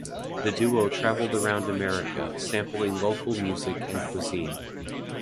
The duo traveled around America, sampling local music and cuisine.